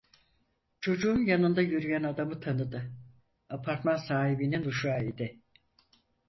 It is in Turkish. Çocuğun yanında yürüyen adamı tanıdı: Apartman sahibinin uşağı idi.